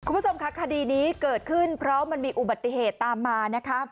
คุณผู้ชมค่ะคดีนี้เกิดขึ้นเพราะมันมีอุบัติเหตุตามมานะคะ